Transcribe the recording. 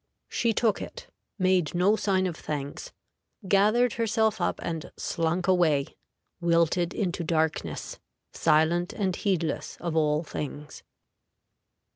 She took it, made no sign of thanks "gathered herself up and slunk away wilted into darkness, silent and heedless of all things."